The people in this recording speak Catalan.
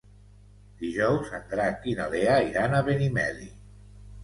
Dijous en Drac i na Lea iran a Benimeli.